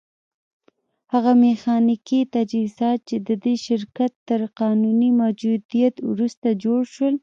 هغه ميخانيکي تجهيزات چې د دې شرکت تر قانوني موجوديت وروسته جوړ شول.